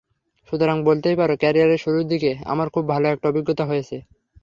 সুতরাং বলতেই পারো, ক্যারিয়ারের শুরুর দিকে আমার খুব ভালো একটা অভিজ্ঞতা হয়েছে।